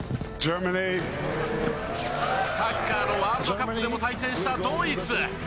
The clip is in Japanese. サッカーのワールドカップでも対戦したドイツ。